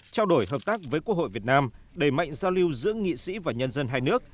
trao đổi hợp tác với quốc hội việt nam đẩy mạnh giao lưu giữa nghị sĩ và nhân dân hai nước